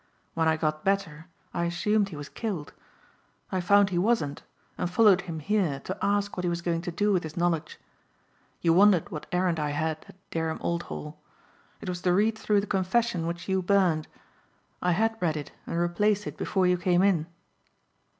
When I got better I assumed he was killed. I found he wasn't and followed him here to ask what he was going to do with his knowledge. You wondered what errand I had at Dereham Old Hall. It was to read through the confession which you burned. I had read it and replaced it before you came in."